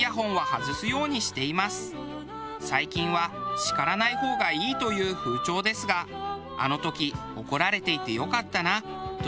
最近は叱らない方がいいという風潮ですがあの時怒られていてよかったなと今でも思います。